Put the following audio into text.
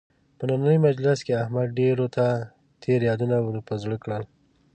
په نننۍ مجلس کې احمد ډېرو ته تېر یادونه ور په زړه کړل.